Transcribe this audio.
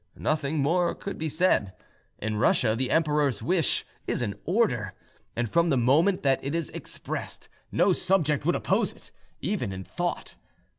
Nothing more could be said: in Russia the emperor's wish is an order, and from the moment that it is expressed, no subject would oppose it, even in thought.